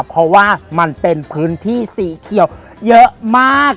เพราะว่ามันเป็นพื้นที่สีเขียวเยอะมาก